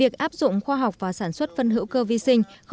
nhưng cũng là sản xuất phân hữu cơ vi sinh